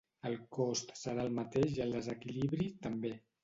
El cost serà el mateix i el desequilibri, també.